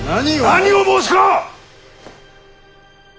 何を申すか！